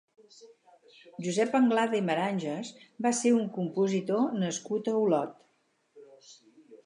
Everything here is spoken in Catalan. Josep Anglada i Maranges va ser un compositor nascut a Olot.